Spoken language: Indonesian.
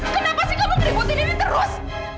kenapa sih kamu ngeributin ini terus